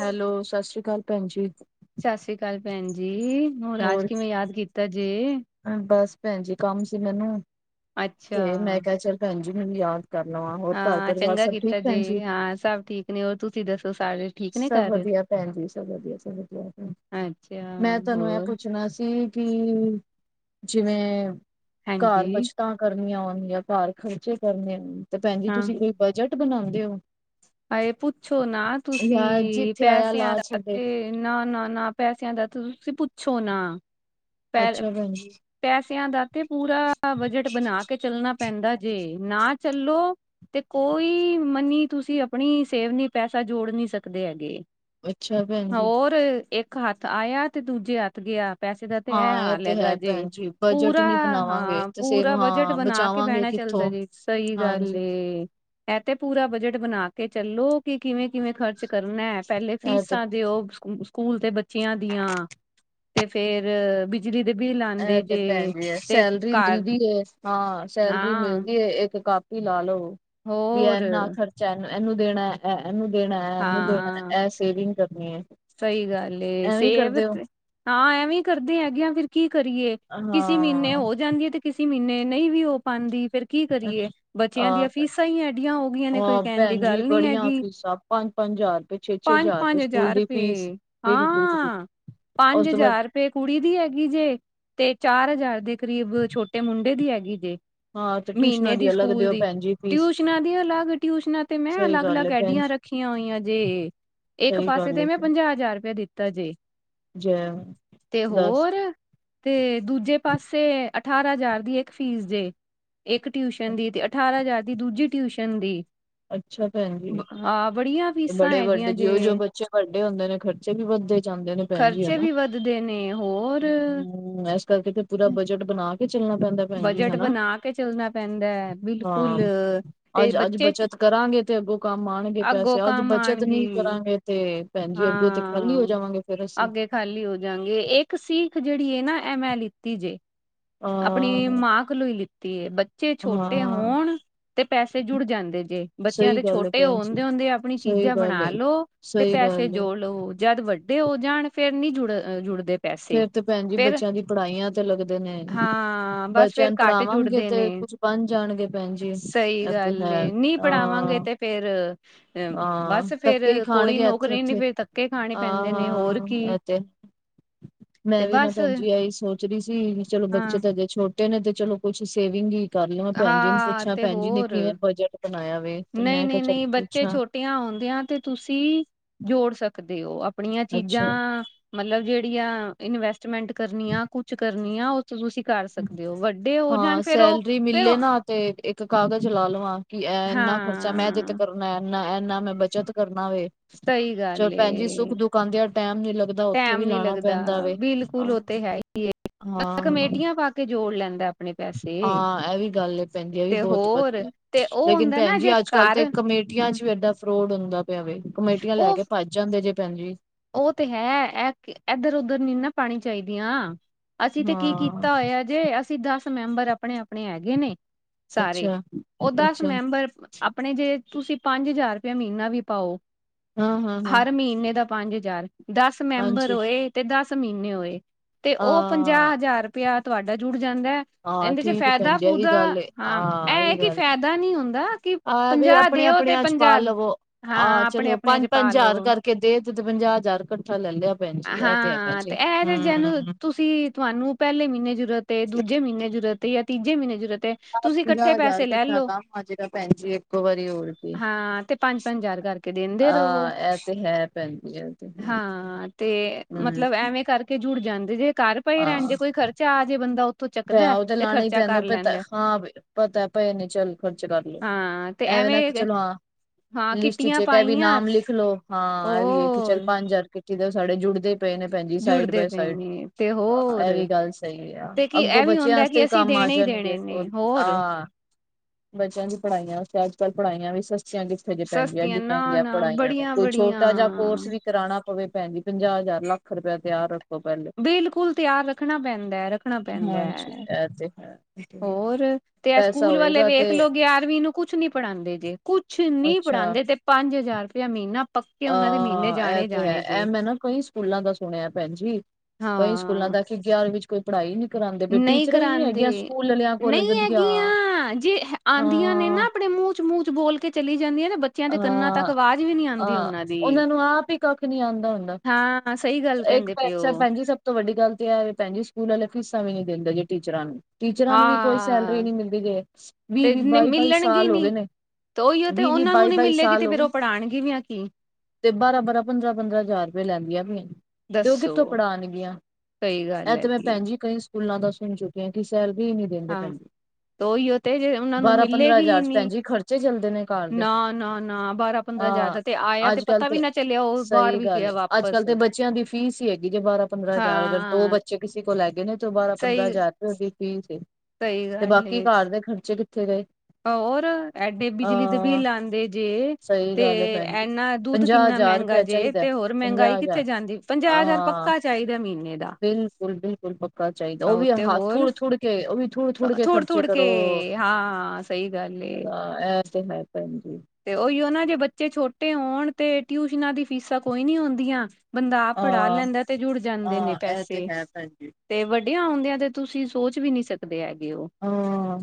Hello, ਸਸ੍ਰੀ ਕਾਲ ਭੈਂਜੀ। ਸਸ੍ਰੀ ਕਾਲ ਪੈਣ ਜੀ, ਹੁਣ ਅੱਜ ਹੋਰ ਕਿਵੇਂ ਯਾਦ ਕੀਤਾ ਜੇ। ਬਸ ਪੈਨ ਜੀ ਕੰਮ ਸੀ ਮੈਨੂੰ, ਅੱਛਾ, ਤੇ ਮੈਂ ਕੈਆ ਚੱਲ ਪੈਣ ਜੀ ਮੈਨੂੰ ਯਾਦ ਕਰਨ ਵਾਹੋ ਹਾਂ ਚੰਗਾ ਕੀਤਾ ਜੇ ਹਾਂ ਸਭ ਠੀਕ ਨੇ ਹੋਰ ਤੁਸੀਂ ਦੱਸੋ ਸਾਰੇ ਠੀਕ ਨੇ ਕਾੱਰ। ਪੈਨ ਜੀ ਸਭ ਵਧੀਆ ਸਭ ਵਧੀਆ, ਅੱਛਾ, ਮੈਂ ਤੁਆਨੂੰ ਐ ਹੋਰ ਪੁੱਛਣਾ ਸੀ ਕਿ ਜਿਵੇਂ, ਕਾੱਰ ਹਾਂਜੀ, ਬਚਤਾਂ ਕਰਨੀਆਂ ਓਣਗੀਆਂ ਕਾੱਰ ਖਰਚੇ ਕਰਨੇ ਤੇ ਪੈਨ ਜੀ ਹਾਂ ਤੁਸੀਂ ਕੋਈ ਬਜਟ ਬਣਾਦੇ ਓ। ਹਾਏ ਪੁੱਛੋ ਨਾ ਜਾਂ ਤੁਸੀਂ, ਜਿੱਥੇ ਆਇਆ ਪੈਸਿਆਂ ਲਾ ਦਾ ਛੱਡੇ ਤੇ ਨਾ-ਨਾ-ਨਾ ਪੈਸਿਆਂ ਦਾ ਤੁਸੀਂ ਪੁੱਛੋ ਨਾ ਪੈ ਅੱਛਾ ਪੈਨ ਜੀ। ਪੈਸਿਆਂ ਦਾ ਤੇ ਪੂਰਾ ਬਜਟ ਬਣਾ ਕੇ ਚੱਲਣਾ ਪੈਂਦਾ ਜੇ ਨਾ ਚੱਲੋ ਤੇ ਕੋਈ ਮਨੀ ਤੁਸੀਂ ਅਪ ਅਪਣੀ ਸੇਵ ਨੀ ਪੈਸਾ ਜੋੜ ਨੀ ਸਕਦੇ ਹੈਗੇ, ਅੱਛਾ ਭੈਣ ਜੀ ਹੋਰ ਏਕ ਏਕ ਹੱਥ ਆਯਾ ਤੇ ਦੂਜੇ ਹੱਥ ਗਿਆ। ਪੈਸੇ ਦਾ ਤੇ ਐ ਹਾਂ ਇਹ ਹਾਲ ਤੇ ਹੈਗਾ ਹੈ ਜੇ ਭੈਣ ਜੀ ਬਜਟ ਪੂਰਾ ਨੀ ਬਣਾਵਾਂਗੇ ਹਾਂ ਤੇ ਸੇਵ ਪੂਰਾ ਬਜਟ ਹਾਂ ਬਣਾ ਕੇ ਬਚਾਵਾਂਗੇ ਬੈਨਾ ਚੱਲਦਾ ਕਿੱਥੋਂ ਜੀ। ਸਈ ਗੱਲ ਹਾਂਜੀ ਏ, ਐ ਤੇ ਪੂਰਾ ਬਜਟ ਬਣਾ ਕੇ ਚੱਲੋ ਕਿ ਕਿਵੇਂ-ਕਿਵੇਂ ਖਰਚ ਕਰਨਾ ਐ ਪੈਲੇ ਇਹ ਤੇ ਫੀਸਾਂ ਦਿਓ ਸਕੂਲ ਤੇ ਬੱਚਿਆਂ ਦੀਆਂ, ਤੇ ਫੇਰ ਵਿ ਬਿਜਲੀ ਦੇ ਬਿੱਲ ਆ ਐ ਤੇ ਪੈਨ ਜੀ ਐ ਸੈਲਰੀ ਮਿਲਦੀ ਐ। ਹਾਂ ਸੈਲਰੀ ਹਾਂ ਮਿਲਦੀ ਐ ਏਕ ਕਾਪੀ ਲਾ ਲੋ, ਵੀ ਹੋਰ ਏਨਾ ਖਰਚ ਖਰਚਾ ਐ ਨੂੰ ਐਨੂੰ ਦੇਣਾ, ਐ ਐਨੂੰ ਦੇਣਾ, ਐ ਐਨੂੰ ਦੇਣਾ, ਐ ਸੇਵਿੰਗ ਕਰਨੀ ਏ। ਸਈ ਗੱਲ ਏ ਸੇਵ ਤੇ, ਹਾਂ ਐਵੇਂ ਕਰਦੇ ਹੈਗੇ ਆ, ਫੇਰ ਕੀ ਕਰੀਏ। ਕਿਸੀ ਮੀਨੇ ਹਾਂ ਹੋ ਜਾਂਦੀ ਏ ਤੇ ਕਿਸੀ ਮੀਨੇ ਨਈ ਵੀ ਹੋ ਪਾਦੀ ਫੇਰ ਕੀ ਅੱਛਾ ਕਰੀਏ, ਬੱਚਿਆਂ ਦੀਆਂ ਫੀਸਾਂ ਈ ਐਡੀਆਂ ਹੋ ਗਈਆਂ ਨੇ ਕੋਈ ਕੈਂਦੀ ਗੱਲ ਨੀ ਹੈਗੀ। ਪੰਜ-ਪੰਜ ਹਜ਼ਾਰ ਪਏ ਛੇ-ਛੇ ਹਜ਼ਾਰ ਪਏ ਸਕੂਲ ਦੀ ਫੀਸ ਹੂੰ, ਬਿਲਕੁਲ ਜੀ ਬਿਲਕੁਲ। ਹਾਂ ਉਸ ਪੰਜ ਤੋਂ ਬਾਅਦ ਹਜ਼ਾਰ ਤੇ ਕੁੜੀ ਦੀ ਹੈਗੀ ਜੇ, ਤੇ ਚਾਰ ਹਜ਼ਾਰ ਦੇ ਕਰੀਬ ਛੋਟੇ ਮੁੰਡੇ ਦੀ ਹੈਗੀ ਜੇ। ਹਾਂ ਤੇ ਟਿਊਸ਼ਨਾਂ ਮੀਨੇ ਦੀ ਅਲੱਗ ਸਕੂਲ ਦਿਓ ਦੀ, ਭੈਣ ਜੀ ਫੀਸ ਟਿਊਸ਼ਨਾਂ ਦੀ ਅਲੱਗ ਟਿਊਸ਼ਨਾਂ ਤੇ ਮੈਂ ਸਹੀ ਗੱਲ ਅਲੱਗ-ਅਲੱਗ ਹੈ ਭੈਣ ਐਡੀਆਂ ਜੀ ਰੱਖ ਖੀਆਂ ਹੋਈਆਂ ਜੇ, ਏਕ ਸਹੀ ਪਾਸੇ- ਗੱਲ ਤੇ ਮੈਂ ਹੈ ਪੰਜਾਹ ਹਜ਼ਾਰ ਰਪੀਆ ਦਿੱਤਾ ਜੇ, ਜ ਤੇ ਦੱਸ ਹੋਰ ਤੇ ਦੂਜੇ ਪਾਸੇ ਅਠਾਰਾਂ ਹਜ਼ਾਰ ਦੀ ਏਕ ਫੀਸ ਜੇ ਏਕ ਟਿਊਸ਼ਨ ਦੀ ਤੇ ਅਠਾਰਾਂ ਹਜ਼ਾਰ ਦੀ ਦੂਜੀ ਟਿਊਸ਼ਨ ਦੀ ਅੱਛਾ ਪੈਨ ਜੀ। ਆ ਬੜੀਆਂ ਫੀਸਾਂ ਬੜੇ ਵੱਡੇ ਹੈਗੀਆਂ ਜੇ ਜਿਉ-ਜਿਉ ਬੱਚੇ ਵੱਡੇ ਹੁੰਦੇ ਨੇ ਖਰਚੇ ਵੀ ਵੱਧਦੇ ਜਾਂਦੇ ਨੇ। ਭੈਣ ਜੀ ਖ਼ਰਚੇ ਹਨਾ। ਵੀ ਵੱਧਦੇ ਨੇ ਹੋਰ ਹੂੰ, ਐਸ ਕਰਕੇ ਤੇ ਪੂਰਾ ਬਜਟ ਬਣਾ ਕੇ ਕੇ ਚੱਲਣਾ ਪੈਂਦਾ ਪੈਣ ਜੀ ਬਜਟ ਹੈਨਾ, ਬਣਾ ਕੇ ਚੱਲਣਾ ਪੈਂਦਾ ਹੈ ਹਾਂ। ਬਿਲਕੁਲ ਤੇ ਅੱਜ-ਅੱਜ ਬੱਚੇ ਬੱਚਤ ਕਰਾਂਗੇ ਤੇ ਅੱਗੋਂ ਕੰਮ ਆਣਗੇ ਅੱਗੋਂ ਪੈਸੇ ਅੱਜ ਕੰਮ ਬੱਚਤ ਆਉਣਗੇ ਨੀ ਕਰਾਂਗੇ ਤੇ। ਪੈਨ ਜੀ ਅੱਗੋ ਤੇ ਖਾਲੀ ਹੋ ਹਾਂ ਜਾਵਾਂਗੇ ਫੇਰ ਅਸੀਂ ਅੱਗੇ ਖਾਲੀ ਹੋ ਜਾਂਗੇ ਏਕ ਸਿੱਖ ਜੇੜੀ ਨਾ ਐ ਮੈਂ ਲਿੱਤੀ ਜੇ ਆਪਣੀ ਹਾਂ ਮਾਂ ਕੋਲੋ ਈ ਲਿੱਤੀ ਐ ਬੱਚੇ ਛੋਟੇ ਹਾਂ। ਹੋਣ ਤੇ ਪੈਸੇ ਜੁੜ ਜਾਂਦੇ ਜੇ ਬੱਚਿਆਂ ਸਹੀ ਦੇ ਗੱਲ ਹੈ ਛੋਟੇ ਹੋ ਭੈਣ ਜੀ ਹੁੰਦੇ-ਹੁੰਦੇ ਆਪਣੀ ਸਹੀ ਚੀਜ਼ਾਂ ਗੱਲ ਬਣਾ ਏ। ਲੋ ਤੇ ਸਹੀ ਪੈਸੇ ਗੱਲ ਏ ਜੋੜ ਲੋ ਜੱਦ ਵੱਡੇ ਹੋ ਜਾਣ ਫੇਰ ਨੀ ਜੁੜ ਜੁੜਦੇ ਪੈਸੇ ਫੇਰ ਤੇ ਭੈਣ ਜੀ ਫੇਰ ਬੱਚੇਆਂ ਦੀ ਪੜਾਈਆਂ ਤੇ ਲੱਗਦੇ ਨੇ, ਹਾਂ ਬਸ ਬੱਚੇਆਂ ਫੇਰ ਨੂੰ ਘੱਟ ਪੜ੍ਹਾਵਾਂਗੇ ਜੁੜਦੇ ਨੇ ਤੇ ਕੁੱਛ ਬਣ ਜਾਣਗੇ ਭੈਣ ਜੀ ਸਹੀ ਏ ਤੇ ਗੱਲ ਹੈ, ਏ ਨੀ ਪੜ੍ਹਾਵਾਂਗੇ ਆ, ਤੇ ਫੇਰ ਅ ਆ, ਬਸ ਫੇਰ ਧੱਕੇ ਈ ਕੋਈ ਖਾਣਗੇ ਏਥੇ- ਨੌਕਰੀ ਨੀ ਓਥੇ ਫੇਰ ਧੱਕੇ ਖਾਣੇ ਆ, ਪੈਂਦੇ ਨੇ ਹੋਰ ਕੀ ਹਾਂ ਏ ਤੇ ਮੈਂ ਤੇ ਵੀ ਨਾ ਬਸ ਭੈਣ ਜੀ ਐਈ ਸੋਚ ਰਈ ਸੀ ਵੀ ਚਲੋ ਹਾਂ ਬੱਚੇ ਤਾ ਹਜੇ ਛੋਟੇ ਨੇ ਤੇ ਚਲੋ ਕੁੱਛ ਸੇਵਿੰਗ ਈ ਕਰ ਲਵਾਂ ਭੈਣ ਜੀ ਨੂੰ ਹਾਂ ਪੁੱਛਾਂ ਭੈਣ ਜੀ ਨੇ ਕਿਵੇਂ ਬਜਟ ਬਣਾਏਆ ਵੇ? ਤੇ ਨਈ, ਮੈਂ ਕਿਹਾ ਨਈ, ਚੱਲ ਨਈ ਬੱਚੇ ਛੋਟੇ ਪੁੱਛਾਂ ਛੋਟੇਆਂ ਹੂੰਦੇਆਂ ਤੇ ਤੁਸੀਂ ਜੋੜ ਸਕਦੇ ਓ ਆਪਣੀਆਂ ਅੱਛਾ ਚੀਜ਼ਾਂ ਮਤਲਬ ਜੇੜੀਆ ਇਨਵੈਸਟਮੈਂਟ ਕਰਨੀ ਆ ਕੁਛ ਕਰਨੀ ਆ ਓ ਤੁਸੀਂ ਕਰ ਸਕਦੇ ਓ, ਵੱਡੇ ਹੋ ਜਾਣ ਹਾਂ ਫੇਰ ਓ ਸੈਲਰੀ ਫੇਰ ਓ ਮਿਲੇ ਨਾ ਤੇ ਇੱਕ ਕਾਗਜ਼ ਲਾ ਲਵਾਂ ਕਿ ਏ ਏਂਨਾ ਖਰਚਾ ਮੈਂ ਤੇ ਹਾਂ ਕਰਨਾ ਏਨਾ- ਏਨਾ ਮੈਂ ਬੱਚਤ ਕਰਨਾ ਵੇ ਸਹੀ ਚਲ ਗੱਲ ਭੈਣ ਜੀ ਏ ਸੁੱਖ- ਦੁਖ ਆਂਦੇ ਆ ਟਾਈਮ ਨੀ ਲੱਗਦਾ ਓੱਥੇ ਵੀ ਲਾਣਾ ਪੈਂਦਾ ਵੇ, ਆਹ ਓ ਤੇ ਹੈ ਈ ਏ ਹਾਂ ਤੇ ਜੋੜ ਲੈਂਦਾ- ਆਪਣੇ ਪੈਸੇ ਹਾਂ ਐਵੀ ਗੱਲ ਏ ਭੈਣ ਜੀ ਏ ਵੀ ਤੇ ਬੋਤ ਹੋਰ ਵੱਧੀਆ, ਤੇ ਉਹ ਲੇਕਿਨ ਹੁੰਦਾ ਭੈਣ ਨਾ ਜੀ ਜੇ ਅੱਜ- ਕੱਲ੍ਹ ਤਾਂ ਘਰ ਕਮੇ ਕਮੇਟੀਆਂ ਚ ਵੀ ਏਡਾ ਫਰੋਡ ਹੁੰਦਾ ਪੇਆ ਵੇ, ਕਮੇਟੀਆਂ ਲੈ ਕੇ ਭੱਜ ਜਾਂਦੇ ਜੇ ਭੈਣ ਜੀ। ਓ ਤੇ ਹੈ, ਐ ਕੀ ਏਧਰ -ਓਧਰ ਨੀ ਨਾ ਪਾਣੀ ਚਾਈਦੀਆਂ। ਅਸੀਂ ਤੇ ਕੀ ਹਾਂ ਕੀਤਾ ਹੋਏਆ ਜੇ ਅਸੀਂ ਦਸ ਮੈਂਬਰ ਆਪਣੇ- ਆਪਣੇ ਹੈਗੇ ਨੇ। ਸਾਰੇ, ਅੱਛਾ ਓ ਦਸ ਅੱਛਾ ਮੈਂਬਰਸ ਆਪਣੇ ਜੇ ਤੁਸੀਂ ਪੰਜ ਹਜ਼ਾਰ ਰੁਪਏਆ ਮੀਨਾ ਵੀ ਪਾਓ, ਹਾਂ ਹਾਂ ਹਾਂ ਹਰ ਮੀਨੇ ਦਾ ਪੰਜ ਹਜ਼ਾਰ ਦਸ ਮੈਂਬਰ ਹਾਂਜੀ ਹੋਏ ਤੇ ਦਸ ਮੀਨੇ ਹੋਏ, ਤੇ ਓ ਹਾਂ ਪੰਜਾਹ ਹਜ਼ਾਰ ਪੇਆ ਤੁਆਡਾ ਜੁੜ ਜਾਂਦਾ। ਹਾਂ ਏਂਦੇ ਚ ਠੀਕ ਹੈ ਭੈਣ ਫੈਦਾ- ਜੀ ਇਹ ਵੀ ਫੂਦਾ, ਗੱਲ ਏ ਹਾਂ ਇਹ ਐ ਆ ਵੀ ਕਿ ਗੱਲ ਏ। ਫੈਦਾ ਨਈ ਹੁੰਦਾ ਕਿ ਆ ਵੀ ਪੰਜਾਹ ਆਪਣੇ ਦਿਓ ਤੇ ਆਪਣਿਆਂ ਚ ਪਾ ਪੰਜਾਹ ਲਓ, ਲਵੋ ਹਾਂ ਆਪਣੇ- ਆਪਣੇ ਚ ਪਾਲੋ ਕੇ ਦੇਤੇ ਤੇ ਪੰਜਾਹ ਹਜ਼ਾਰ ਕੱਠਾ ਲੈ ਲੇਆ ਹਾਂ, ਤੇ ਐ ਤੇ ਜੇਨੂੰ ਤੁ ਤੇ ਤੁਆਨੂੰ ਪੇਲੇ ਮੀਨੇ ਜ਼ਰੂਰਤ ਏ, ਦੂਜੇ ਮੀਨੇ ਜ਼ਰੂਰਤ ਏ ਜਾਂ ਤੀਜੇ ਮੀਨੇ ਜ਼ਰੂਰਤ ਐ ਪੰਜਾਹ ਹਜ਼ਾਰ ਇਕੱਠਾ ਕੰਮ ਆਜੇਗਾ ਭੈਣ ਜੀ ਇੱਕੋ ਵਾਰੀ ਹੋਰ ਕੀ। ਹਾਂ ਤੇ ਪੰਜ ਪੰਜ ਹਜ਼ਾਰ ਕਰਕੇ ਦਿੰਦੇ ਆ ਰਵੋ ਏ ਤੇ ਹੈ ਭੈਣ ਜੀ ਏ ਹਾਂ ਤੇ ਮਤਲਬ ਐਵੇਂ ਕਰਕੇ ਜੁੜ ਜਾਂਦੇ ਜੇ ਘਰ ਪਏ ਹਾਂ ਰੈਣ ਜੇ ਕੋਈ ਖਰਚ ਚਾ ਆ ਜੇ ਬੰਦਾ ਓ ਪੈ ਓ ਤਾਂ ਲਾਣਾ ਈ ਪੈਂਦਾ ਪਤਾ ਹਾਂ ਬਈ ਪਤਾ ਪਏ ਨੇ ਚੱਲ ਖਰਚ ਕਰ ਲੋ ਹਾਂ ਤੇ ਐਵੇਂ ਨਾ ਕਿ ਚਲੋ ਹਾਂ, ਹਾਂ ਲਿਸਟ ਚ ਕਿੱਟੀਆਂ ਓਦਾ ਵੀ ਪਾਈਆਂ ਨਾਮ ਲਿਖ ਲੋ ਹਾਂ ਏਹੀ ਆ ਕਿ ਚੱਲ ਹੋਰ ਪੰਜ ਹਜ਼ਾਰ ਕਿਤੇ ਸਾਡੇ ਜੁੜਦੇ ਪਏ ਨੇ ਭੈਣਜੀ ਸਾਈਡ ਜੁੜਦੇ ਬਾਏ ਪਏ ਸਾਈਡ, ਨੇ ਤੇ ਹੋਰ ਏਵੀ ਗੱਲ ਸਈ ਆ। ਤੇ ਕੀ ਅੱਗੋਂ ਇਹ ਵੀ ਬੱਚੇਆਂ ਹੁੰਦਾ ਵਸਤੇ ਕਿ ਈ ਅਸੀਂ ਕੰਮ ਆ ਦੇਣੇ ਹੀ ਜਾਣਗੇ ਦੇਣੇ ਹੋਰ ਨੇ ਕੀ ਆ। ਹਾ, ਬੱਚੇਆਂ ਦੀ ਪੜ੍ਹਾਈਆਂ ਵਾਸਤੇ ਅੱਜ-ਕੱਲ ਪੜ੍ਹਾਈਆਂ ਵੀ ਸਸਤੀਆ ਨਈ। ਹਾਂਜੀ ਭੈਣਜੀ, ਸਸਤੀਆਂ ਐਡੀ ਮੇਂਗੀਆਂ ਨਾ-ਨਾ ਪੜ੍ਹਾਈਆਂ ਨੇ ਕੋਈ ਬੜੀਆਂ-ਬੜੀਆਂ ਛੋਟਾ ਜੇਆ ਕੋਰਸ ਵੀ ਕਰਾਣਾ ਪਵੇ ਭੈਣ ਜੀ ਪੰਜਾਹ ਹਜ਼ਾਰ -ਲੱਖ ਰੁਪੇਆ ਤਿਆਰ ਰੱਖੋ ਪੇਲੇ ਬਿਲਕੁਲ ਤਿਆਰ ਰੱਖਣਾ ਪੈਂਦਾ -ਰੱਖਣਾ ਪੈਂਦਾ। ਏ ਤੇ ਹੈ। ਹੋਰ ਤੇ ਆ ਪੈਸਾ ਸਕੂਲ ਵਾਲੇ ਹੋਏਗਾ ਵੇਖ ਤੇ ਲੋ ਗਿਆਰਵੀਂ ਨੂੰ ਕੁਛ ਨੀ ਪੜ੍ਹਾਦੇ ਜੇ ਕੁੱਛ ਨੀ ਅੱਛਾ ਪੜ੍ਹਾਦੇ ਤੇ ਪੰਜ ਹਜ਼ਾਰ ਰੁਪਇਆ ਮਹੀਨਾ ਪੱਕੇ ਉਹਨਾਂ ਦੇ ਮਹੀਨੇ ਅਹ ਇਹ ਤੇ ਹੈ, ਜਾਣੇ-ਜਾਣੇ ਜੇ ਇਹ ਮੈ ਨਾ ਕਈ ਸਕੂਲਾ ਦਾ ਸੁਣਿਆ ਭੈਣ ਜੀ। ਕਈ ਸਕੂਲਾ ਹਾਂ ਦਾ ਕਿ ਗਿਆਰਵੀ ਚ ਕੋਈ ਪੜ੍ਹਾਈ ਨੀ ਕਰਾਦੇ ਪਏ ਟੀਚਰਾ ਈ ਨੀ ਹੈਗੀਆ ਸਕੂਲ ਆਲਿਆ। ਨਹੀ ਹੈਗੀਆ, ਜੇ ਆਦੀਆ ਨੇ ਹਾਂ ਨਾ ਆਪਣੇ ਮੂੰਹ ਚ ਮੂੰਹ ਚ ਬੋਲ ਕੇ ਚਲੀ ਜਾਦੀਆ ਨੇ ਬੱਚ ਅ-ਅ ਉਹਨਾ ਨੂੰ ਆਪ ਈ ਕੱਖ ਨੀ ਆਂਦਾ ਹੁੰਦਾਂ। ਹਾ ਸਹੀ ਗੱਲ ਇੱਕ ਕਹਿੰਦੇ ਪਏ ਓ ਭੈਣ ਜੀ ਸਭ ਤੋ ਵੱਡੀ ਗੱਲ ਤੇ ਇਹ ਏ ਭੈਣ ਜੀ, ਸਕੂਲ ਆਲੇ ਫੀਸਾ ਵੀ ਨੀ ਦਿੰਦੇ ਜੇ ਟੀਚਰਾ ਨੂੰ। ਟੀਚਰਾ ਨੂੰ ਵੀ ਕੋਈ ਸੈਲਰੀ ਹਾਂ ਨੀ ਮਿਲਦੀ ਜੇ ਤੇ ਵੀਹ-ਵੀਹ, ਬਾਈ-ਬਾਈ ਮਿਲਣਗੇ ਸਾਲ ਹੋ ਨੀ ਗਏ ਨੇ। ਤੇ ਉਹੀਓ ਤੇ ਵੀਹ ਵੀਹ ਉਹਨਾ ਨੂੰ ਬਾਈ ਨੀ ਬਾਈ ਮਿਲੇਗੀ, ਤੇ ਸਾਲ ਹੋ ਫਿਰ ਗਏ ਉਹ ਪੜ੍ਹਾਣ ਗੀ ਆ ਵੀ ਕੀ। ਤੇ ਬਾਰਾ-ਬਾਰਾ, ਪੰਦਰਾ-ਪੰਦਰਾ ਹਜ਼ਾਰ ਰੁਪਏ ਲੈਦੀਆ ਪਿਆ। ਤੇ ਉਹ ਦੱਸੋ ਕਿੱਥੋ ਪੜ੍ਹਾਣਗੀਆ, ਸਹੀ ਇਹ ਗੱਲ ਤੇ ਮੈ ਹੈਗੀ ਭੈਣਜੀ ਕਈ ਸਕੂਲਾ ਦਾ ਸੁਣ ਚੁੱਕੀ ਕਿਉਂਕਿ ਸੈਲਰੀ ਹੀ ਨਹੀ ਦਿੰਦੇ ਹਾਂ ਭੈਣ ਜੀ। ਤੇ ਉਹੀਓ ਤੇ ਜੇ ਉਹਨਾਂ ਨੂੰ ਬਾਰਾ, ਪੰਦਰਾ ਮਿਲੇਗੀ ਹੀ ਹਜ਼ਾਰ ਚ ਭੈਣ ਨੀ ਜੀ ਖਰਚੇ ਚੱਲਦੇ ਨੇ ਘਰ ਦੇ ਨਾ ਨਾ ਨਾ ਬਾਰਾਂ ਪੰਦਰਾਂ ਆ। ਹਜ਼ਾਰ ਦਾ ਤੇ ਆਇਆ ਅੱਜ-ਕੱਲ ਪਤਾ ਤੇ ਵੀ ਨਾ ਚੱਲਿਆ ਉਹ ਬਾਹਰ ਸਹੀ ਵੀ ਗੱਲ ਏ ਗਿਆ ਵਾਪਸ ਅੱਜ-ਕੱਲ ਤੇ ਬੱਚੇ ਬੱਚਿਆ ਦੀ ਫੀਸ ਈ ਹੈਗੀ ਜੇ ਬਾਰਾ-ਪੰਦਰਾ ਹਜ਼ਾਰ ਅਗਰ ਦੋ ਹਾਂ ਬੱਚੇ ਕਿਸੇ ਕੋਲ ਹੈਗੇ ਨੇ। ਤੋ ਬਾਰਾਂ-ਪੰਦਰਾ ਸਹੀ ਹਜ਼ਾਰ ਰੁਪਏ ਦੀ ਫੀਸ ਏ, ਸਹੀ ਤੇ ਗੱਲ ਬਾਕੀ ਏ ਘਰ ਦੇ ਖਰਚੇ ਕਿੱਥੇ ਗਏ। ਹੋਰ ਐਡੇ ਬਿਜਲੀ ਦੇ ਹਾਂ ਬਿੱਲ ਆਂਦੇ ਜੇ। ਸਹੀ ਤੇ ਗੱਲ ਹੈ ਭੈਣ ਜੀ। ਇੰਨਾ ਦੁੱਧ ਪੰਜਾਹ ਕਿੰਨਾ ਹਜ਼ਾਰ ਮਹਿੰਗਾ ਰੁਪਇਆ ਜੇ, ਚਾਹੀਦਾ ਤੇ ਹੋਰ ਮਹਿੰਗਾਈ ਪੰਜਾਹ ਕਿੱਥੇ ਹਜ਼ਾਰ ਜਾਂਦੀ ਪੰਜਾਹ ਹਜ਼ਾਰ ਪੱਕਾ ਚਾਹੀਦਾ ਮਹੀਨੇ ਦਾ। ਬਿਲਕੁਲ-ਬਿਲਕੁਲ ਪੱਕਾ ਚਾਹੀਦਾ, ਉਹ ਆਹੋ ਵੀ ਤੇ ਹੱਥ ਹੋਰ ਥੂੜ-ਥੂੜ ਕੇ ਉਹ ਵੀ ਥੂੜ-ਥੂੜ ਕੇ ਖਰਚੇ ਕਰੋ। ਹਾ ਸਹੀ ਗੱਲ ਏ। ਹਾ ਇਹ ਤੇ ਹੈ ਭੈਣ ਜੀ। ਤੇ ਉਹੀਓ ਨਾ ਜੇ ਬੱਚੇ ਛੋਟੇ ਹੋਣ, ਤੇ ਟਿਊਸ਼ਨਾ ਦੀ ਫੀਸਾ ਕੋਈ ਨੀ ਹੁੰਦੀਆਂ। ਬੰਦਾਂ ਆਪ ਅ ਪੜਾ ਲੈਂਦਾ ਏ, ਤੇ ਜੁੜ ਜਾਦੇ ਨੇ ਹਾਂ ਇਹ ਤੇ ਪੈਸੇ। ਹੈ ਭੈਣ ਜੀ। ਤੇ ਵੱਡੀਆ ਹੁੰਦਿਆ ਤੇ ਤੁਸੀ ਸੋਚ ਵੀ ਨੀ ਸਕਦੇ ਹੈਗੇ। ਓ। ਹਾਂ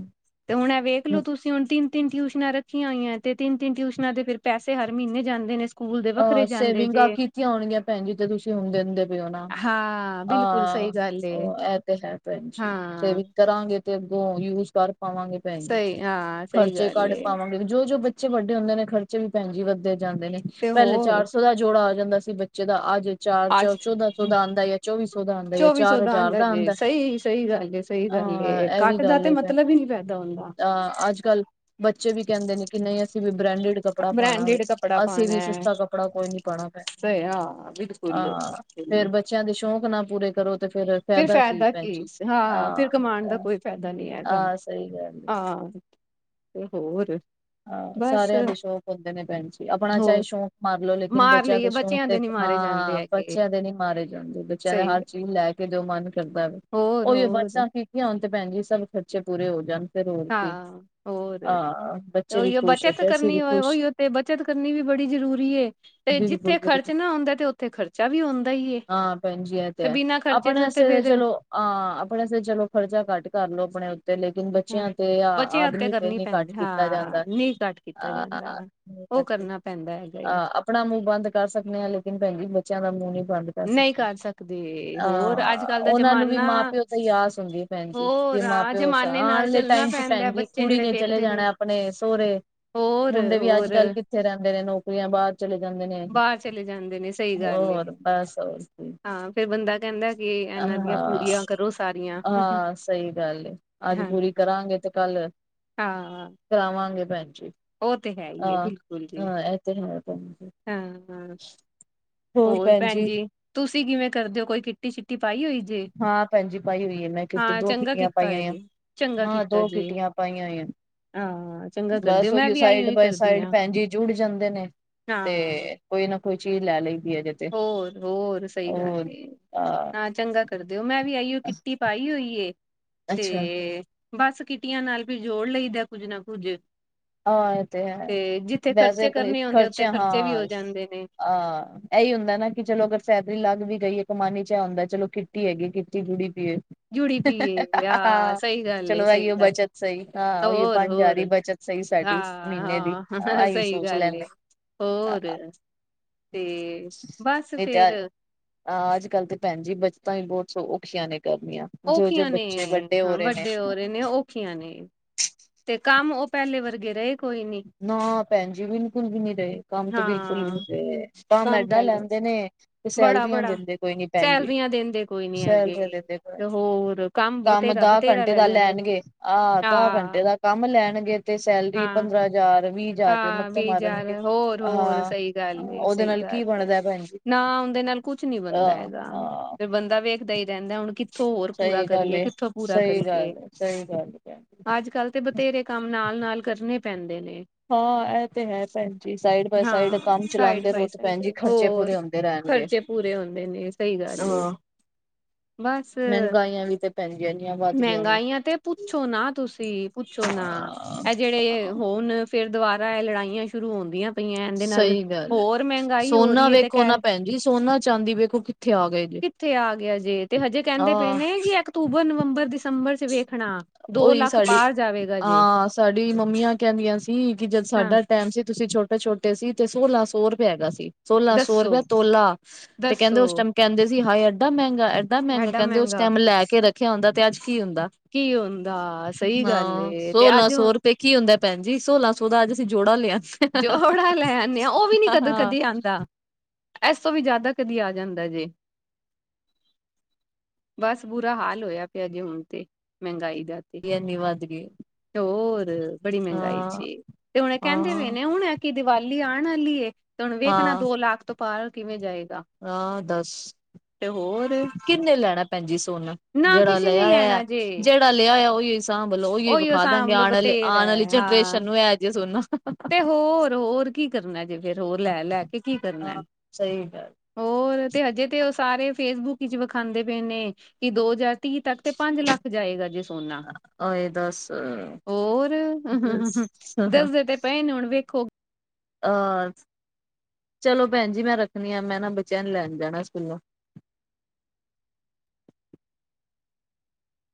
ਤੇ ਹੁਣ ਵੇਖਲੋ ਤੁਸੀ ਹੁਣ ਤਿੰਨ-ਤਿੰਨ ਟਿਊਸ਼ਨਾ ਰੱਖੀਆ ਹੋਈਆ। ਤੇ ਤਿੰਨ- ਤਿੰਨ ਟਿਊਸ਼ਨਾ ਦੇ ਫਿਰ ਪੈਸੇ ਹਰ ਮਹੀਨੇ ਜਾਦੇ ਨੇ ਸਕੂਲ ਦੇ ਅਹ ਵੱਖਰੇ ਜਾਂਦੇ ਸੇਵਿੰਗਾ ਜੇ ਕੀਤੀਆ ਹੋਣਗੀਆ ਭੈਣ ਜੀ, ਤੇ ਤੁਸੀ ਹੁਣ ਦਿੰਦੇ ਪਏ ਓ ਨਾ ਹਾਂ ਬਿਲਕੁਲ ਸਹੀ ਅਹ ਗੱਲ ਏ ਉਹ ਇਹ ਤੇ ਹੈ ਭੈਣ ਜੀ, ਹਾਂ ਸੇਵਿੰਗ ਕਰਾਗੇ ਤੇ ਅੱਗੋ ਯੂਜ ਕਰ ਪਾਵਾਂਗੇ। ਭੈਣ ਜੀ ਸਹੀ ਹਾਂ ਸਹੀ ਖਰਚੇ ਗੱਲ ਕੱਢ ਏ ਪਾਵਾਗੇ ਜੋ-ਜੋ ਬੱਚੇ ਬੱਚੇ ਵੱਡੇ ਹੁੰਦੇ ਨੇ ਖਰਚੇ ਵੀ ਭੈਣ ਜੀ ਵੱਧਦੇ ਜਾਦੇ ਨੇ, ਤੇ ਪਹਿਲੇ ਹੋਰ ਚਾਰ ਸੌ ਦਾ ਜੋੜਾ ਆ ਜਾਂਦਾ ਸੀ ਬੱਚ ਅੱਜ ਚਾਰ ਚ ਅੱਜ ਚੌਦਾ ਸੌ ਦਾ ਆਂਦਾ ਜਾ, ਚੌਵੀ ਸੌ ਦਾ ਆਂਦਾ, ਜਾ ਚੌਵੀ ਸੌ ਚਾਰ ਹਜ਼ਾਰ ਦਾ ਜੇ ਆਂਦਾ। ਸਹੀ ਸਹੀ ਗੱਲ ਏ ਸਹੀ ਆ ਗੱਲ ਏ ਇਹ ਵੀ ਘੱਟ ਦਾ ਗੱਲ ਤੇ ਏ ਭੈਣ ਮਤਲਬ ਹੀ ਜੀ। ਨੀ ਪੈਦਾ ਹੁੰਦਾ ਅ ਅੱਜ-ਕੱਲ ਬੱਚੇ ਵੀ ਕਹਿੰਦੇ ਨੇ ਕਿ ਨਹੀ ਅਸੀਂ ਵੀ ਬ੍ਰੈਡਡ ਕੱਪੜਾ ਪਾਣਾ ਵੇ। ਬ੍ਰੈਂਡਡ ਕੱਪੜਾ ਅਸੀਂ ਪਾਣਾ ਵੀ ਹੈ ਸਸਤਾ ਕੱਪੜਾ ਕੋਈ ਨੀ ਪਾਣਾ ਮੈਂ, ਤੇ ਹਾਂ ਬਿਲਕੁਲ ਹਾ ਫਿਰ ਬੱਚੇ ਬੱਚਿਆ ਦੇ ਸ਼ੌਕ ਨਾ ਪੂਰੇ ਕਰੋ ਤੇ ਫਿਰ ਫਿਰ ਫਾਇਦਾ ਕੀ ਹਾ, ਫਿਰ ਕਮਾਉਣ ਦਾ ਕੋਈ ਫਾਇਦਾ ਨੀ ਹੈਗਾ ਆਹ ਸਹੀ ਗੱਲ ਏ। ਹਾ। ਤੇ ਹੋਰ ਹਾ ਬਸ ਸਾਰਿਆ ਦੇ ਸ਼ੌਕ ਹੁੰਦੇ ਨੇ ਭੈਣ ਜੀ, ਆਪਣਾ ਹੋ ਚਾਹੇ ਸ਼ੌਕ ਮਾਰ ਲੋ ਲੇਕਿਨ ਮਾਰ ਬੱਚਿਆ ਲਈਏ ਦੇ ਬੱਚਿਆਂ ਨੀ ਮਾਰੇ ਜਾਂਦੇ ਹਾ ਹੈਗੇ ਬੱਚਿਆ ਦੇ ਨੀ ਮਾਰੇ ਜਾਂਦੇ, ਬੱਚਿਆ ਦੇ ਸਹੀ ਹਰ ਚੀਜ ਲੈ ਕੇ ਜੋ ਮਨ ਕਰਦਾ ਵੇ, ਹੋਰ ਉਹੀ ਹੋਰ ਬੱਚਤਾ ਕੀਤੀਆ ਹੋਣ ਤੇ ਭੈਣ ਜੀ ਸ ਸਭ ਖਰਚੇ ਪੂਰੇ ਹੋ ਜਾਣ। ਫਿਰ ਹੋਰ ਕੀ ਹਾਂ ਹੋਰ ਆ ਉਹੀਓ ਬੱਚਤ ਕਰਨੀ ਉਹੀਓ, ਤੇ ਬੱਚਤ ਕਰਨੀ ਵੀ ਬੜੀ ਜਰੂਰੀ ਏ, ਤੇ ਬਿਲਕੁਲ ਜਿੱਥੇ ਖਰਚ ਬਿਲਕੁਲ ਨਾ ਹੁੰਦਾ ਤੇੇ ਉੱਥ ਤੇ ਖਰਚਾ ਵੀ ਆਉਦਾ ਹੀ ਏ। ਹਾਂ ਤੇ ਬਿਨਾ ਖਰਚੇ ਤੋ ਤੇ ਫਿਰ ਆ ਆਪਣੇ ਸੇ ਚਲੋ ਖਰਚਾ ਘੱਟ ਕਰਲੋ ਆਪਣੇ ਉੱਤੇ ਤੇ ਲੇਕਿਨ ਹਾਂ ਬੱਚਿਆ ਤੇ ਆ ਆਦਮੀ ਤੇ ਨੀ ਘੱਟ ਕੀਤਾ ਜਾਦਾ ਨੀਂ ਘਟ ਕੇ ਹਾਂ ਠੀਕ ਹੈ ਜੀ ਹੈਗਾ ਏ ਅਹ ਆਪਣਾ ਮੂੰਹ ਬੰਦ ਕਰ ਸਕਦੇ ਆ, ਲੇਕਿਨ ਭੈਣ ਜੀ ਬੱਚਿਆਂ ਦਾ ਮੂੰਹ ਨਹੀਂ ਬੰਦ ਕਰ ਨਹੀਂ ਸਕਦੇ। ਸਕਦੇ ਅ ਹੋਰ ਅੱਜ ਕੱਲ ਦਾ ਉਹਨਾਂ ਨੂੰ ਵੀ ਜ਼ਮਾਨਾ ਮਾਂ -ਪਿਓ ਤਾਂ ਹੀ ਆਸ ਹੁੰਦੀ ਹੈ। ਭੈਣ ਜੀ ਜੇ ਹੋਰ ਮਾਂ ਹਾਂ -ਪਿਓ ਸ ਜ਼ਮਾਨੇ ਆਣ ਨਾਲ ਲੇ ਚੱਲਣਾ ਟਾਈਮ ਚ ਪੈਂਦਾ ਭੈਣ ਜੀ ਬੱਚੇ ਕੁੜੀ ਜਿਹੜੇ ਨੇ ਚਲੇ ਵੇਖਦੇ ਜਾਣਾ ਆਪਣੇ ਸ ਸੋਹਰੇ, ਹੋਰ ਮੁੰਡੇ ਵੀ ਅੱਜ- ਹੋਰ ਕੱਲ੍ਹ ਕਿੱਥੇ ਰਹਿੰਦੇ ਨੇ ਨੌਕਰੀਆਂ ਬਾਹਰ ਚਲੇ ਜਾਂਦੇ ਨੇ, ਬਾਹਰ ਚਲੇ ਜਾਂਦੇ ਨੇ ਸਹੀ ਗੱਲ ਹੋਰ ਏ। ਪੈਸਿਆਂ ਵਾਸਤੇ। ਹਾਂ ਫੇਰ ਬੰਦਾ ਕਹਿੰਦਾ ਕਿ ਇਹਨਾਂ ਦੀਆਂ ਹਾਂ ਪੂਰੀਆਂ ਕਰੋ ਸਾਰੀਆਂ -ਹਾਂ ਸਹੀ ਗੱਲ ਏ, ਅੱਜ ਬੁਰੀ ਕਰਾਂਗੇ ਤੇ ਕੱਲ ਹਾਂ। ਕਰਾਵਾਂਗੇ ਭੈਣ ਜੀ। ਉਹ ਤੇ ਹੈ ਹੀ ਹੈ ਹਾਂ। ਬਿਲਕੁਲ ਜੀ। ਹਾਂ ਇਹ ਤੇ ਹੈ ਭੈਣ ਜੀ ਹਾਂ, ਹੋਰ ਭੈਣ ਜੀ? ਤੁਸੀਂ ਕਿਵੇਂ ਕਰਦੇ ਹੋ, ਕੋਈ ਕਿੱਟੀ -ਸ਼ਿੱਟੀ ਪਾਈ ਹੋਈ? ਜੇ ਹਾਂ ਭੈਣ ਜੀ ਪਾਈ ਹੋਈ ਐ ਮੈਂ ਕਿੱਟੀ, ਹਾਂ ਦੋ ਚੰਗਾ ਕਿਟੀਆਂ ਕੀਤਾ ਪਾਈਆਂ ਹੋਇਆ ਹੋਈਆਂ, ਜੀ ਚੰਗਾ ਹਾਂ ਕੀਤਾ ਦੋ ਜੀ ਕਿਟੀਆਂ ਪਾਈਆਂ ਹੋਈਆਂ। ਹਾਂ ਚੰਗਾ ਕਰਦੇ ਹੋ। ਮੈਂ ਕੋਈਓ ਵੀ ਆਈ ਸਾਈਡ ਹੋਈ ਬਾਏ ਕਰਦੀ ਸਾਈਡ ਹਾਂ ਭੈਣਜੀ ਜੁੜ ਜਾਂਦੇ ਨੇ, ਹਾਂ ਤੇ ਕੋਈ ਨਾ ਕੋਈ ਚੀਜ਼ ਲੈ ਲਈਦੀ ਐ ਜ ਹੋਰ-ਹੋਰ ਸਹੀ ਗੱਲ ਆਹ ਐ ਚੰਗਾ ਕਰਦੇ ਓ, ਮੈਂ ਵੀ ਆਈਓ ਕਿਟੀ ਪਾਈ ਹੋਈ ਏ, ਅੱਛਾ ਤੇ ਬਸ ਕਿਟੀਆਂ ਨਾਲ ਵੀ ਜੋੜ ਲਈਦਾ ਕੁਝ ਨਾ ਕੁਝ। [inaudible] ਹਾਂ ਤੇ ਹੈ, ਵੈਸੇ ਖਰਚੇ ਆਪਣੇ ਕਰਨੇ ਹੁੰਦੇ ਖਰਚੇ ਉੱਥੇ ਵੀ ਹਾਂ, ਹੋ ਜਾਂਦੇ ਨੇ ਆ ਇਹੀ ਹੁੰਦਾ ਨਾ ਕਿ ਚਲੋ ਅਗਰ ਸੈਲਰੀ ਲੱਗ ਵੀ ਗਈ ਐ, ਕਮਾਨੀ ਚ ਹੁੰਦਾ ਚਲੋ ਕਿੱਟੀ ਹੈਗੀ ਕਿੱਟੀ ਜੁੜੀ ਪਈ ਏ। ਜੁੜੀ ਪਈਏ ਹਾਂ ਸਹੀ ਗੱਲ ਚਲੋ ਏ ਸਹੀ ਆਈਓ ਗੱਲ ਬੱਚਤ ਸਹੀ, ਹਾਂ, ਉਹੀ ਹੋਰ ਪੰਜ ਹਜ਼ਾਰ ਹੀ ਹੋਰ ਬਚਤ ਸਹੀ। ਸਾਡੀ ਹਾਂ ਮਹੀਨੇ ਦੀ, ਹਾਂ ਆਹੀਂ ਸਹੀ ਸੋਚ ਗੱਲ ਏ ਲੈਂਨੇ ਹੋਰ ਅ ਤੇ ਬਸ ਫੇਰ ਹਾਂ ਅੱਜ- ਕੱਲ ਤੇ ਭੈਣ ਜੀ ਬਚਤਾਂ ਵੀ ਬਹੁਤ ਸ ਔਖੀਆਂ ਨੇ ਕਰਨੀਆਂ। ਜੋ ਜੋ ਔਖੀਆਂ ਨੇ, ਬੱਚੇ ਵੱਡੇ ਹੋ ਹਾਂ ਰਹੇ ਨੇ ਵੱਡੇ ਹੋ ਰਹੇ ਨੇ, ਔਖੀਆਂ ਨੇ। ਤੇ ਕੰਮ ਉਹ ਪਹਿਲੇ ਵਰਗੇ ਰਹੇ ਕੋਈ ਨੀ ਨਾ ਭੈਣ ਜੀ ਬਿਲਕੁਲ ਵੀ ਨੀ ਰਹੇ, ਕੰਮ ਤੇ ਬਿਲਕੁਲ ਵੀ ਹਾਂ ਨੀ ਰਹੇ, ਕੰਮ ਐਦਾ ਲੈਂਦੇ ਨੇ ਤੇ ਬੜਾ ਸੈਲਰੀਆਂ ਬੜਾ ਦਿੰਦੇ ਕੋਈ ਨੀ ਭੈਣ ਜੀ, ਸੈਲਰੀਆਂ ਦਿੰਦੇ ਕੋਈ ਨੀ ਹੈਗੇ ਸੈਲਰੀਆਂ ਦਿੰਦੇ ਕੋਈ ਤੇ ਹੋਰ ਕੰਮ ਬਥੇਰਾ ਦਹ ਬਥੇਰਾ ਘੰਟੇ ਲੈ ਦਾ ਲੈਂਦੇ ਨੇ ਲੈਣਗੇ, ਆਹ ਦਾਹ ਹਾਂ ਘੰਟੇ ਦਾ ਕੰਮ ਲੈਣਗੇ ਤੇ ਸੈਲਰੀ ਹਾਂ ਪੰਦਰਾਂ ਹਜ਼ਾਰ - ਵੀਹ ਹਜ਼ਾਰ ਰੁਪਏ ਹਾਂ ਮੱਥੇ ਵੀਹ ਹਜ਼ਾਰ ਮਾਰਨਗੇ, ਹੋਰ ਹੋਰ ਹਾਂ, ਸਹੀ ਗੱਲ ਏ ਉਹਦੇ ਸਹੀ ਨਾਲ ਗੱਲ ਕੀ ਏ ਬਣਦਾ ਭੈਣਜੀ। ਨਾ ਓਦੇਂ ਨਾਲ ਕੁਛ ਨੀ ਬਣਦਾ ਹੈਗਾ, ਹਾਂ ਫਿਰ ਬੰਦਾ ਵੇਖਦਾ ਹੀ ਰਹਿੰਦਾ ਹੁਣ ਕਿੱਥੋਂ ਹੋਰ ਪੂਰਾ ਸਹੀ ਗੱਲ ਕਰੀਏ, ਏ ਕਿੱਥੋਂ ਪੂਰਾ ਸਹੀ ਕਰੀਏ? ਗੱਲ ਏ ਸਹੀ ਗੱਲ ਏ ਭੈਣ ਜੀ ਅੱਜ -ਕੱਲ੍ਹ ਤੇ ਬਥੇਰੇ ਕੰਮ ਨਾਲ- ਨਾਲ ਕਰਨੇ ਪੈਂਦੇ ਨੇ। ਹਾਂ ਇਹ ਤੇ ਹੈ ਭੈਣ ਜੀ ਸਾਈਡ ਬਾਏ ਸਾਈਡ ਹਾਂ ਕੰਮ ਸਾਈਡ ਚਲਾਉਂਦੇ ਰਹੋ ਬਾਏ ਤੇਂ ਭੈਣ ਸਾਈਡ ਜੀ ਖਰਚੇ ਹੋਰ ਪੂਰੇ ਹੁੰਦੇ ਰਹਿਣਗੇ। ਖਰਚੇ ਪੂਰੇ ਹੁੰਦੇ ਨੇ ਸਹੀ ਗੱਲ ਏ। ਹਾਂ, ਬਸ ਮਹਿੰਗਾਈਆਂ ਵੀ ਤੇ ਭੈਣ ਜੀ ਇੰਨੀਆਂ ਵੱਧ ਗਈਆਂ ਨੇ ਮਹਿੰਗਾਈਆਂ ਤੇ ਪੁੱਛੋ ਨਾ ਤੁਸੀਂ? ਪੁੱਛੋ ਨਾ, ਇਹ ਜਿਹੜੇ ਹੋਣ ਫਿਰ ਦੁਬਾਰਾ ਇਹ ਲੜਾਈਆਂ ਸ਼ੁਰੂ ਹੋਦੀਆਂ ਪਈਆ ਇੰਦੇ ਦੇ ਨਾਲ, ਸਹੀ ਗੱਲ ਹੈ ਹੋਰ ਮਹਿੰਗਾਈ ਹੋ ਸੋਨਾ ਰਹੀ ਹੈ ਤੇ ਵੇਖੋ ਨਾ ਕਹਿ ਭੈਣ ਜੀ ਸੋਨਾ ਚਾਂਦੀ ਵੇਖੋ ਕਿੱਥੇ ਆ ਗਏ ਜੇ ਕਿੱਥੇ ਆ ਗਿਆ ਜੇ, ਤੇ ਹਜੇ ਕਹਿੰਦੇ ਆਹ ਪਏ ਨੇ ਕਿ ਇੱਕ ਅਕਤੂਬਰ, ਨਵੰਬਰ, ਦਿਸੰਬਰ 'ਚ ਵੇਖਣਾ, ਦੋ ਲੱਖ ਪਾਰ ਜਾਵੇਗਾ ਜੇ ਤਾਡੀ ਮੰਮੀਆਂ ਕਹਿੰਦੀਆਂ ਸੀ ਕਿ ਜਦ ਹਾਂ ਸਾਡਾ ਟੈਮ ਸੀ ਤੁਸੀਂ ਛੋਟ ਤੇ ਛੋਟੇ ਸੀ ਤੇ ਸੋਲਾਂ ਸੋ ਰੁਪਇਆ ਹੈਗਾ ਸੀ, ਸੋਲਾਂ ਸੋ ਰੁਪਇਆ ਦੱਸੋ ਤੋਲਾ, ਤੇ ਕਹਿੰਦੇ ਦੱਸੋ ਉਸ ਟੈਮ ਕਹਿੰਦੇ ਸੀ ਹਾਏ ਐਡਾ ਮਹਿੰਗਾ- ਐਡਾ ਮਹਿੰਗਾ, ਕਹਿੰਦੇ ਉਸ ਟੈਮ ਲੈ ਕੇ ਰੱਖਿਆ ਹੁੰਦਾ ਤੇ ਅੱਜ ਕੀ ਹੁੰਦਾ। ਕੀ ਹੁੰਦਾ, ਸਹੀ ਗੱਲ ਏ, ਤੇ ਆਜੋ ਤੇ ਕੀ ਹੁੰਦਾ ਭੈਣ ਜੀ, ਸੋਲਾਂ ਸੋ ਦਾ ਅੱਜ ਅਸੀਂ ਜੋੜਾ ਲਿਆ। ਜੋੜਾ ਲੈ ਆਨੇ ਆ, ਉਹ ਵੀ ਨੀ ਕਦੇ- ਕਦੇ ਆਂਦਾ। ਐਸ ਤੋਂ ਵੀ ਜ਼ਿਆਦਾ, ਕਦੀ ਆ ਜਾਂਦਾ ਜੇ ਬਸ ਬੁਰਾ ਹਾਲ ਹੋਇਆ ਪਿਆ ਜੇ ਹੁਨ ਤੇ, ਮਹਿੰਗਾਈ ਦਾ ਕੀ ਐਨੀ ਵੱਧਗੀ। ਤੇ ਹੋਰ, ਬੜੀ ਮਹਿੰਗਾਈ ਚੇ, ਤੇ ਹੁਣ ਇਹ ਕਹਿੰਦੇ ਨੇ ਹਾਂ ਹੁਣ ਐਤਕੀ ਦੀਵਾਲੀ ਆਉਣ ਵਾਲੀ ਏ, ਤੇ ਹੁਣ ਵੇਖਣਾ ਦੋ ਲਾੱਖ ਤੋਂ ਪਾਰ ਕਿਵੇਂ ਜਾਏਗਾ। ਆਂ ਦੱਸ, ਤੇ ਹੋਰ ਕਿੰਨੇ ਲੈਣਾ ਪੈਂਜੀ ਸੋਨਾ ਨਾ ਜੇੜਾ ਕਿਸੇ ਲਿਆ ਨੇ ਹੋਇਆ, ਲੈਣਾ ਜੇ ਜੇੜਾ ਲਿਆ ਹੋਇਆ ਉਹੀ ਸਾਂ ਵਲੋ ਉਹੀ ਉਹੀਓ ਸਾਂਭ ਵਿਖਾਦਾਂਗੇ, ਲੋ ਆਉਣ ਵਾਲੀ, ਬਥੇਰਾ ਆਉਣ ਵਾਲੀ ਹਾਂ ਜਨਰੇਸ਼ਨ ਨੂੰ ਐ ਜਾ ਸੋਨਾ ਤੇ ਹੋਰ, ਹੋਰ ਕੀ ਕਰਨਾ ਜੇ ਫਿਰ ਹੋਰ ਲੈ- ਲੈ ਕੇ ਕੀ ਕਰਨਾ। ਹਾਂ ਸਹੀ ਗੱਲ ਹੋਰ, ਤੇ ਹਜੇ ਤੇ ਉਹ ਸਾਰੇ ਫੇਸਬੁੱਕ ਵਿਚ ਵਿਖਾਂਉਦੇ ਪਏ ਨੇ, ਕਿ ਦੋ ਹਜ਼ਾਰ ਤੀਹ ਤੱਕ ਤੇ ਪੰਜ ਲੱਖ ਜਾਏਗਾ ਜੀ ਸੋਨਾ, ਓਏ ਦੱਸ ਹੋਰ ਸਾ ਹਾਂ ਕਰਦੇ ਪਏ ਨੇ ਹੁਣ ਵੇਖੋ ਅਹ, ਚਲੋ ਭੈਣ ਜੀ ਮੈਂ ਰੱਖਣੀ ਆ, ਮੈਂ ਨਾ ਬੱਚਿਆ ਨੂੰ ਲੈਣ ਜਾਣਾ ਸਕੂਲੋਂ।